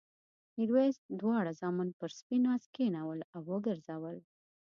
میرويس دواړه زامن پر سپین آس کېنول او وګرځول.